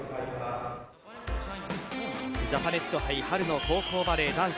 ジャパネット杯春の高校バレー男子